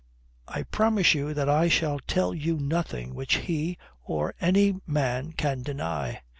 I promise you that I shall tell you nothing which he or any man can deny."